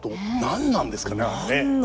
何なんですかね。